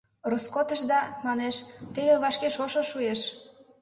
Роскотыш да, — манеш, — теве вашке шошо шуэш.